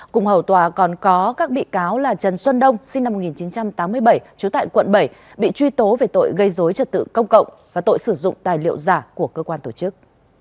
cùng hầu tòa còn có các bị cáo là trần xuân đông sinh năm một nghìn chín trăm tám mươi bảy trú tại quận bảy bị truy tố về tội gây dối trật tự công cộng và tội sử dụng tài liệu giả của cơ quan tổ chức